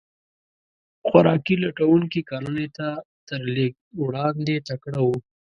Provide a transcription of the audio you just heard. خوراک لټونکي کرنې ته تر لېږد وړاندې تکړه وو.